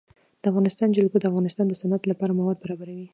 د افغانستان جلکو د افغانستان د صنعت لپاره مواد برابروي.